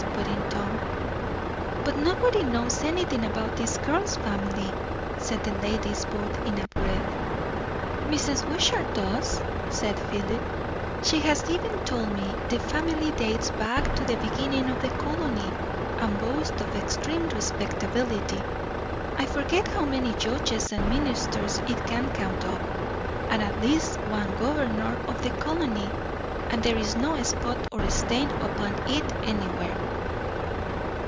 put in Tom. "But nobody knows anything about this girl's family," said the ladies both in a breath. "Mrs. Wishart does," said Philip. "She has even told me. The family dates back to the beginning of the colony, and boasts of extreme respectability. I forget how many judges and ministers it can count up; and at least one governor of the colony; and there is no spot or stain upon it anywhere."